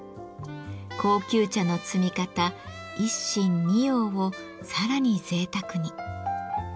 高級茶の摘み方一芯二葉をさらにぜいたくに。